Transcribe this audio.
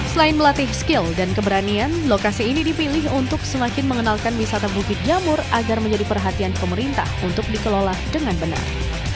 selain melatih skill dan keberanian lokasi ini dipilih untuk semakin mengenalkan wisata bukit jamur agar menjadi perhatian pemerintah untuk dikelola dengan benar